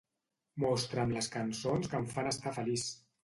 Mostra'm les cançons que em fan estar feliç.